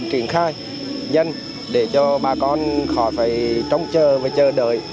khiến khai nhân để cho bà con khỏi phải trông chờ và chờ đợi